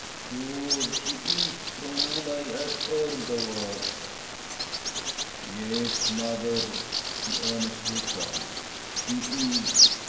Sure she is, from all I ha' heerd o' her." "Yes, mother!" he earnestly affirms, "she is.